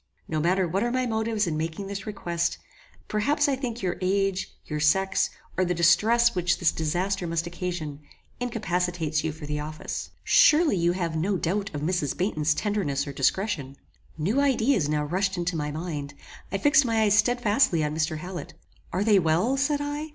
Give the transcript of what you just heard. No matter what are my motives in making this request: perhaps I think your age, your sex, or the distress which this disaster must occasion, incapacitates you for the office. Surely you have no doubt of Mrs. Baynton's tenderness or discretion." New ideas now rushed into my mind. I fixed my eyes stedfastly on Mr. Hallet. "Are they well?" said I.